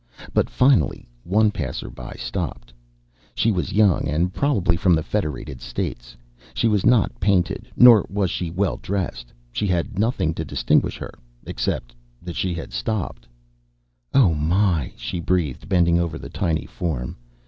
But finally one passer by stopped. She was young and probably from the Federated States. She was not painted nor was she well dressed. She had nothing to distinguish her, except that she stopped. "Oh, my!" she breathed, bending over the tiny form.